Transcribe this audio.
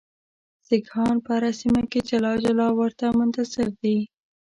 سیکهان په هره سیمه کې جلا جلا ورته منتظر دي.